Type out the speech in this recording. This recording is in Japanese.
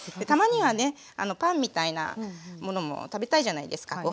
たまにはねパンみたいなものも食べたいじゃないですか。